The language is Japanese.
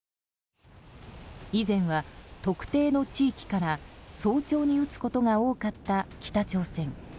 以前は特定の地域から早朝に撃つことが多かった北朝鮮。